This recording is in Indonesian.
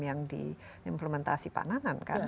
yang diimplementasi pak nanan